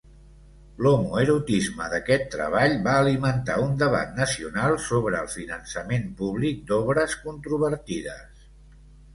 L'homoerotisme d'aquest treball va alimentar un debat nacional sobre el finançament públic d'obres controvertides.